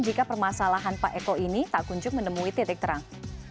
jika permasalahan pak eko ini tak kunjung menemui titik terang